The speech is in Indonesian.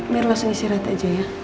biar langsung istirahat aja ya